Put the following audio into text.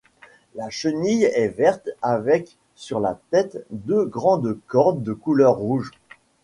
La chenille est verte avec sur la tête deux grandes cornes de couleur rouge.